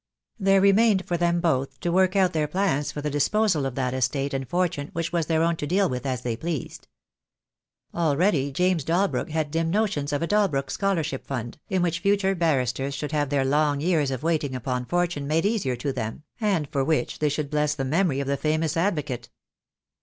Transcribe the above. There remained for them both to work out their plans for the disposal of that estate and fortune which was their own to deal with as they pleased. Already James Dalbrook had dim notions of a Dalbrook Scholarship Fund, in which future barristers should have their long years of waiting upon fortune made easier to them, and for which they should bless the memory of the famous advocate.